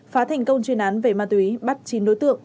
phá thành công chuyên án về ma túy bắt chín đối tượng